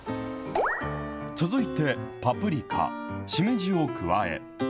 続いて、パプリカ、しめじを加え。